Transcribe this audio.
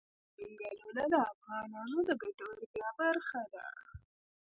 ځنګلونه د افغانانو د ګټورتیا برخه ده.